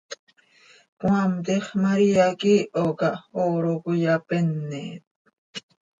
Cmaam, tiix María quih iiho cah hooro cöiyapeenet.